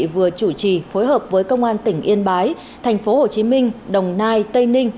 vừa chủ trì phối hợp với công an tỉnh yên bái tp hcm đồng nai tây ninh